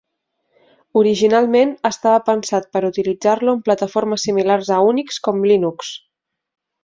Originalment estava pensat per utilitzar-lo en plataformes similars a Unix com Linux.